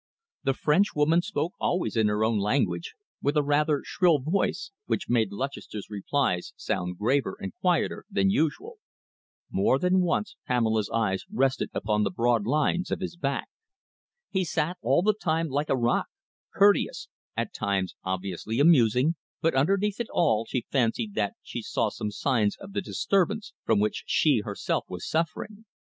The Frenchwoman spoke always in her own language, with a rather shrill voice, which made Lutchester's replies sound graver and quieter than usual. More than once Pamela's eyes rested upon the broad lines of his back. He sat all the time like a rock, courteous, at times obviously amusing, but underneath it all she fancied that she saw some signs of the disturbance from which she herself was suffering.